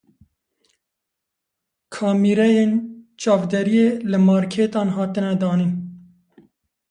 Kamîreyên çavdêriyê li markêtan hatine danîn.